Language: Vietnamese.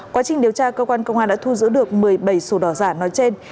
quá trình điều tra cơ quan công an đã thu giữ được một mươi bảy sổ đỏ giả nói trên